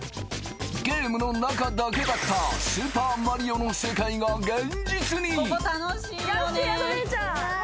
ゲームの中だけだったスーパーマリオの世界が現実にこんにちは